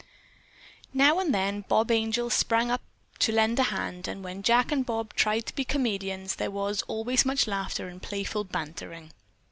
Now and then Bob Angel sprang up to lend a hand, and when Jack and Bob tried to be comedians there was always much laughter and playful bantering.